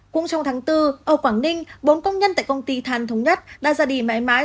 cũng trong tháng bốn ở quảng ninh bốn công nhân tại công ty than thống nhất đã ra đi mãi mãi